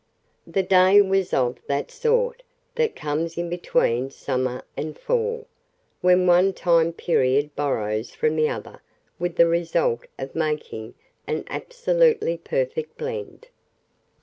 The day was of that sort that comes in between summer and fall, when one time period borrows from the other with the result of making an absolutely perfect "blend."